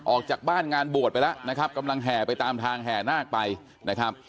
ออกจากบ้านงานบวชไปแล้วนะครับกำลังแห่ไปตามทางแห่นาคไปนะครับ